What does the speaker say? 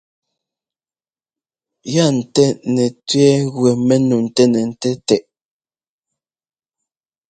Yaa ntɛ́ nɛtẅɛ́ gẅɛɛ mɛnu tɛ́nnɛ́ tɛ.